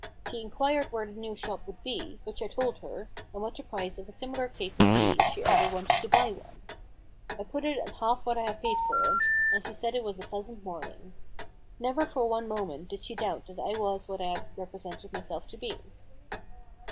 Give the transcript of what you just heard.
She inquired where the new shop would be, which I told her, and what the price of a similar cake would be if she ever wanted to buy one. I put it at half what I had paid for it, and she said it was a pleasant morning. Never for one moment did she doubt that I was what I had represented myself to be.